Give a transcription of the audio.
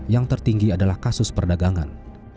yang tertinggi adalah kasus perdagangan